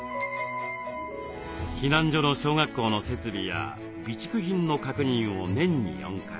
避難所の小学校の設備や備蓄品の確認を年に４回。